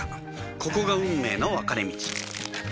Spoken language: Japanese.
ここが運命の分かれ道